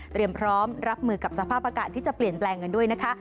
พร้อมรับมือกับสภาพอากาศที่จะเปลี่ยนแปลงกันด้วยนะคะ